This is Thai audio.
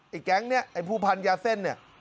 แก๊งเนี่ยไอ้ผู้พันยาเส้นเนี่ย